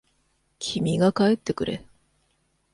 君が帰ってくれ。